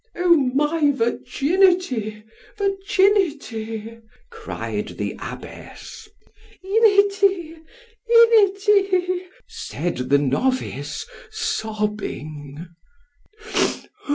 O my virginity! virginity! cried the abbess. ——inity!——inity! said the novice, sobbing.